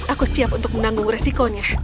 aku siap untuk menanggung resikonya